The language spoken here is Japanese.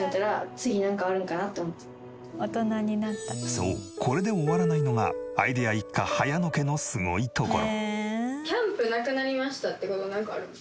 そうこれで終わらないのがアイデア一家早野家のすごいところ。